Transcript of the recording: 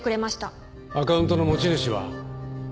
アカウントの持ち主は？